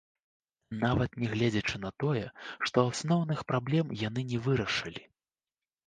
Нават нягледзячы на тое, што асноўных праблем яны не вырашылі.